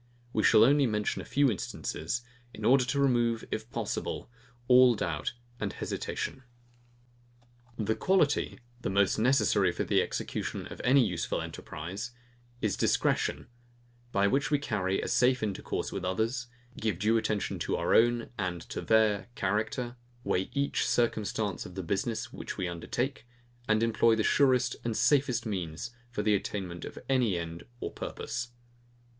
We shall only mention a few instances, in order to remove, if possible, all doubt and hesitation. The quality, the most necessary for the execution of any useful enterprise, is discretion; by which we carry on a safe intercourse with others, give due attention to our own and to their character, weigh each circumstance of the business which we undertake, and employ the surest and safest means for the attainment of any end or purpose.